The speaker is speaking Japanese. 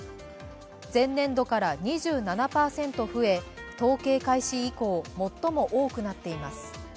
前年度から２７％増え、統計開始以降、最も多くなっています。